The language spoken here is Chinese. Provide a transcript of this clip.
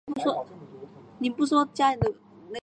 因此赛车手在数学及工程学上都有一定的知识。